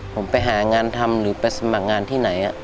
ผมไปหางานทำหรือไปสมัครงานที่ไหน